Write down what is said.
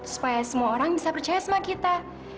supaya semua orang bisa percaya sama kita